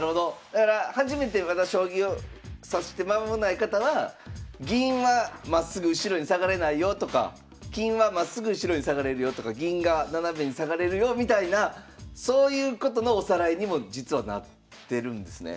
だから初めてまだ将棋を指して間もない方は銀はまっすぐ後ろに下がれないよとか金はまっすぐ後ろに下がれるよとか銀が斜めに下がれるよみたいなそういうことのおさらいにも実はなってるんですね。